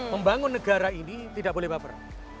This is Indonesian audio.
membangun negara ini tidak boleh baper